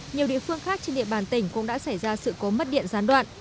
nhiều địa phương khác trên địa bàn tỉnh cũng đã xảy ra sự cố mất điện gián đoạn